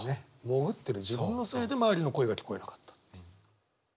潜ってる自分のせいで周りの声が聞こえなかったっていう。